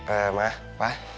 eh ma pa